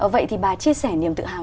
vậy thì bà chia sẻ niềm tự hào